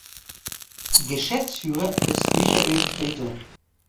Geschäftsführer ist Michael Grethe.